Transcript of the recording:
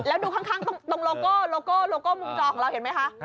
แล้วดูข้างตรงโลโก้มุมจอของเราเห็นไหมคะ